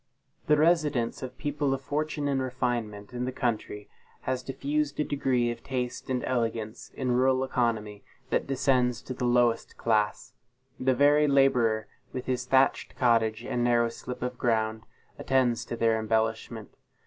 The residence of people of fortune and refinement in the country, has diffused a degree of taste and elegance in rural economy that descends to the lowest class. The very laborer, with his thatched cottage and narrow slip of ground, attends to their embellishment.